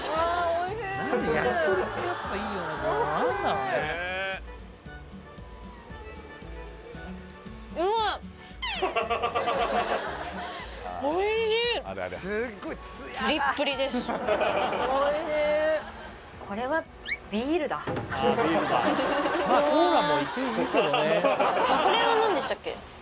おいしいこれは何でしたっけ？